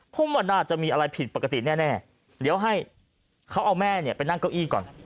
ผมว่าน่าจะมีอะไรผิดปกติแน่เดี๋ยวให้เขาเอาแม่เนี่ยไปนั่งเก้าอี้ก่อน